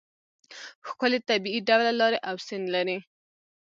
ښکلې طبیعي ډوله لارې او سیند لري.